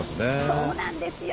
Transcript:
そうなんですよ！